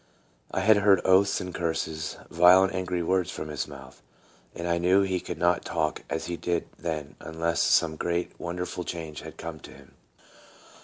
I had heard oaths and curses, vile and angry words from his mouth, and I knew he could not talk as he did then unless some great, wonderful change had come to him.